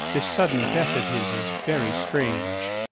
This sudden death of his is very strange.